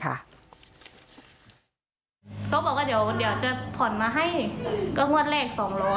เขาบอกว่าเดี๋ยวจะผ่อนมาให้ก็งวดแรก๒๐๐